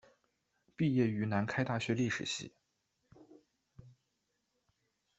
毕业于南开大学历史系。